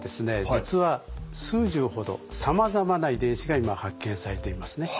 実は数十ほどさまざまな遺伝子が今発見されていますね。